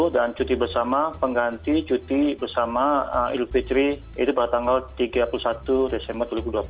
dan cuti bersama pengganti cuti bersama ilu petri yaitu pada tanggal tiga puluh satu desember dua ribu dua puluh